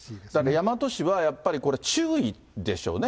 大和市はやっぱり注意でしょうね。